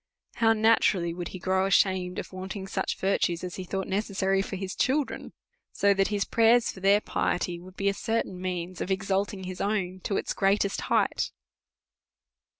How naturally would he grow ashamed of wanting such virtues as he thought necessary for his children ! So that his prayers for their piety Avould be a certain means of exalting his own to its greatest height.